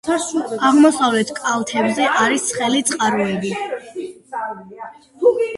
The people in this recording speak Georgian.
აღმოსავლეთ კალთებზე არის ცხელი წყაროები.